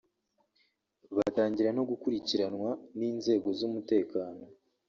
bagatangira no gukurikiranwa n’inzego z’umutekano